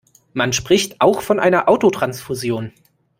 Man spricht auch von einer Autotransfusion.